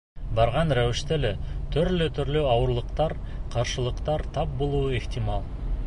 Барған рәүештә лә, төрлө-төрлө ауырлыҡтар, ҡаршылыҡтар тап булыуы ихтимал.